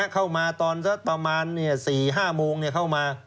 เข้ามาตอนสักประมาณ๔๕โมงเข้ามา